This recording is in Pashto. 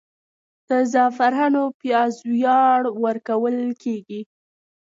د زعفرانو پیاز وړیا ورکول کیږي؟